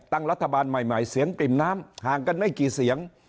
ตั้งรัฐบาลใหม่เสียงปริ่มน้ำห่างกันไม่กี่เสียง